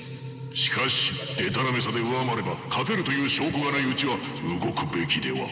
しかしでたらめさで上回れば勝てるという証拠がないうちは動くべきでは。